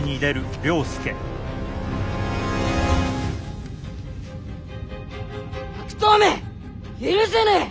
許せねえ！